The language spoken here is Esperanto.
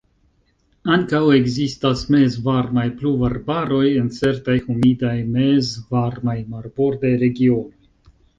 Ankaŭ ekzistas mezvarmaj pluvarbaroj, en certaj humidaj mezvarmaj marbordaj regionoj.